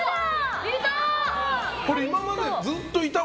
いた！